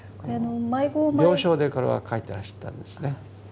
病床でこれは描いてらしたんですね。